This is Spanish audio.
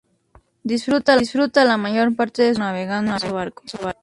Disfruta la mayor parte de su tiempo navegando en su barco.